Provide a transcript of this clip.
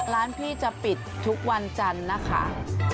ร้านพี่จะปิดทุกวันจันทร์นะคะ